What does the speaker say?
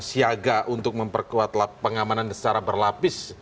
siaga untuk memperkuat pengamanan secara berlapis